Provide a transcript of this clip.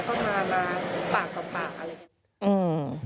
ก็มาปากต่อปากอะไรอย่างนี้